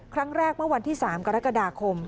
ครั้งแรกเมื่อวันที่๓กรกฎาคม